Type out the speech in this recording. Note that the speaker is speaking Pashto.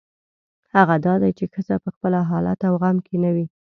هغه دا دی چې ښځه په خپه حالت او غم کې نه وي.